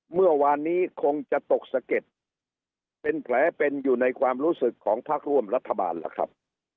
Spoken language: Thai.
เมื่อวานนี้คงจะตกสะเก็ดเป็นแผลเป็นอยู่ในความรู้สึกของพักร่วมรัฐบาลล่ะครับ